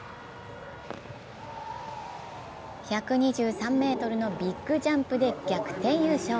１２３ｍのビッグジャンプで逆転優勝。